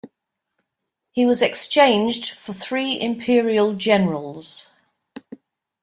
He was exchanged for three imperial generals.